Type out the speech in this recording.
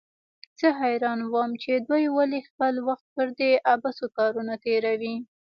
زه حيران وم چې دوى ولې خپل وخت پر دې عبثو کارونو تېروي.